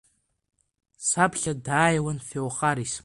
Саԥхьа дааиуан Феохарис.